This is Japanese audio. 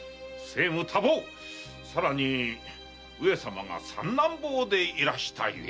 さらに上様が三男坊でいらしたゆえ。